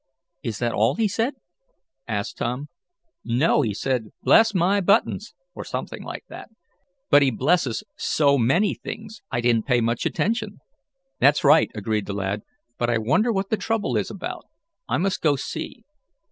"Is that all he said?" asked Tom. "No, he said 'Bless my buttons,' or something like that; but he blesses so many things I didn't pay much attention." "That's right," agreed the lad. "But I wonder what the trouble is about? I must go see."